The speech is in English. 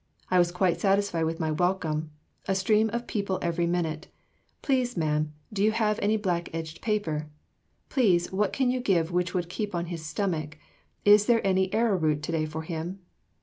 I was quite satisfied with my welcome.... A stream of people every minute. "Please, ma'am, have you any black edged paper?" "Please, what can I give which would keep on his stomach; is there any arrowroot to day for him?"